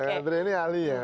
bang andri ini ahlinya